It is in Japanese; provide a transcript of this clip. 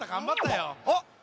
あっ。